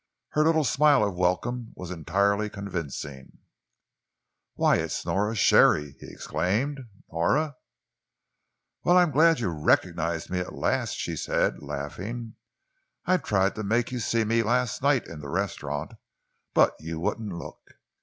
Her little smile of welcome was entirely convincing. "Why, it's Nora Sharey!" he exclaimed. "Nora!" "Well, I am glad you've recognised me at last," she said, laughing. "I tried to make you see me last night in the restaurant, but you wouldn't look."